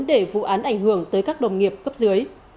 để vụ án ảnh hưởng tới các đồng nghiệp cấp dưới